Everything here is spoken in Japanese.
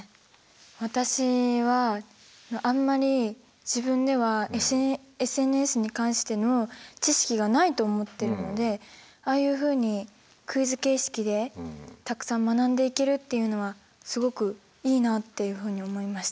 私はあんまり自分ではＳＮＳに関しての知識がないと思ってるのでああいうふうにクイズ形式でたくさん学んでいけるっていうのはすごくいいなっていうふうに思いました。